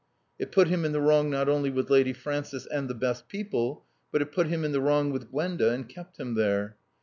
It put him in the wrong not only with Lady Frances and the best people, but it put him in the wrong with Gwenda and kept him there.